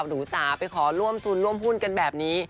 หนูจ๋าไปขอร่วมทุนร่วมหุ้นกันแบบนี้